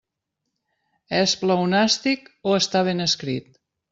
És pleonàstic o està ben escrit?